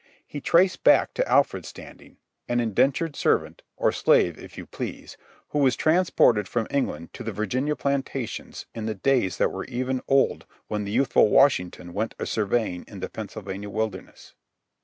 He traced back to Alfred Standing, an indentured servant, or slave if you please, who was transported from England to the Virginia plantations in the days that were even old when the youthful Washington went a surveying in the Pennsylvania wilderness.